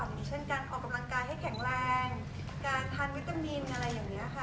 อย่างเช่นการออกกำลังกายให้แข็งแรงการทานวิตามินอะไรอย่างนี้ค่ะ